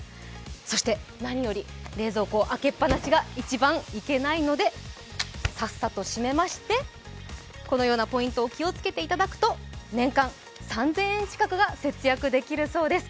そして、なにより冷蔵庫の開けっぱなしが一番いけないのでさっさと閉めまして、このようなポイントを気をつけていただきますと年間３０００円近くが節約できるそうです。